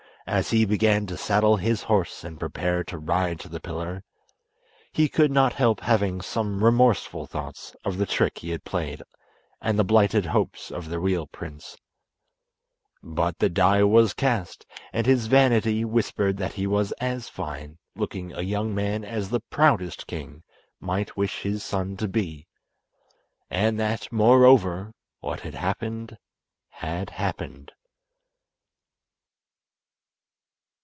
As he began to saddle his horse and prepare to ride to the pillar, he could not help having some remorseful thoughts of the trick he had played and the blighted hopes of the real prince. But the die was cast, and his vanity whispered that he was as fine looking a young man as the proudest king might wish his son to be, and that, moreover, what had happened had happened.